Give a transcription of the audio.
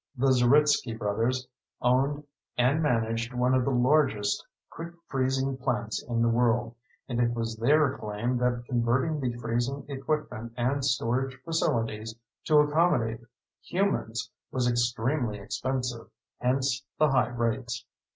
The Zeritsky Brothers owned and managed one of the largest quick freezing plants in the world, and it was their claim that converting the freezing equipment and storage facilities to accommodate humans was extremely expensive, hence the high rates.